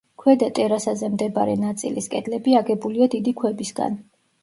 ქვედა ტერასაზე მდებარე ნაწილის კედლები აგებულია დიდი ქვებისგან.